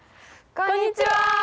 こんにちは！